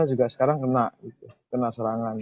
juga sekarang kena serangan